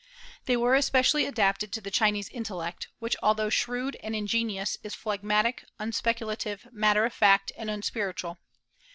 They were especially adapted to the Chinese intellect, which although shrewd and ingenious is phlegmatic, unspeculative, matter of fact, and unspiritual.